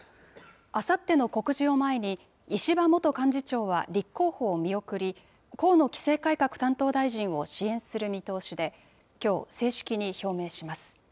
あさっての告示を前に、石破元幹事長は立候補を見送り、河野規制改革担当大臣を支援する見通しで、きょう正式に表明します。